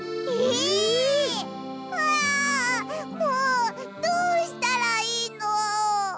あもうどうしたらいいの！